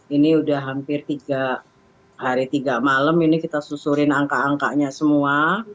ini sudah hampir tiga hari tiga malam ini kita susurin angka angkanya semua